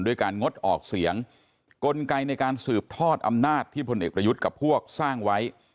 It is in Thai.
การงดออกเสียงกลไกในการสืบทอดอำนาจที่พลเอกประยุทธ์กับพวกสร้างไว้